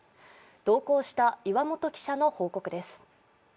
同行した岩本記者の報告です。